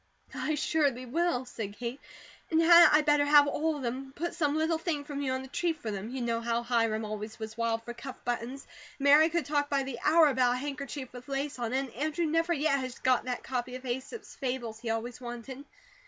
"I surely will," said Kate. "And hadn't I better have ALL of them, and put some little thing from you on the tree for them? You know how Hiram always was wild for cuff buttons, and Mary could talk by the hour about a handkerchief with lace on it, and Andrew never yet has got that copy of 'Aesop's Fables,' he always wanted.